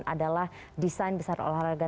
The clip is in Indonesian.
adalah desain besar olahraga